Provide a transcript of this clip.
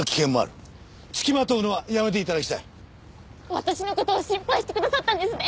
私の事を心配してくださったんですね。